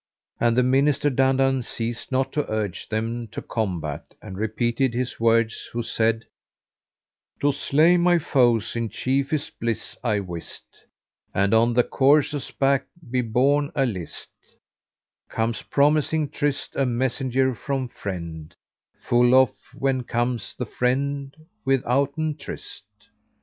And the Minister Dandan ceased not to urge them to combat and repeated his words who said, "To slay my foes is chiefest bliss I wist, * And on the courser's back be borne a list; Comes promising tryst a messenger from friend * Full oft, when comes the friend withouten tryst."